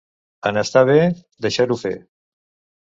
En estar bé, deixar-ho fer.